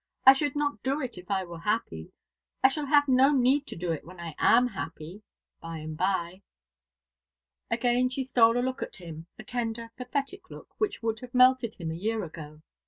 I should not do it if I were happy. I shall have no need to do it when I am happy by and by." Again she stole a look at him, a tender pathetic look, which would have melted him a year ago.